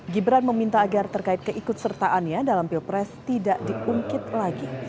gibran meminta agar terkait keikut sertaannya dalam pilpres tidak diungkit lagi